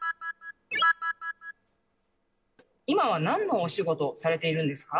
今は何のお仕事をされているんですか？